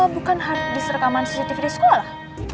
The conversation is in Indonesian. bukan harddisk rekaman cctv di sekolah